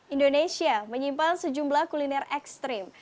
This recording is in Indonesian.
indonesia menyimpan sejumlah kuliner ekstrim